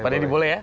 pak lady boleh ya